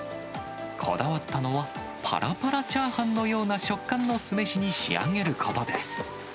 こだわったのは、ぱらぱらチャーハンのような食感の酢飯に仕上げることです。